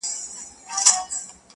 • داسي نه كيږي چي اوونـــۍ كې گـــورم.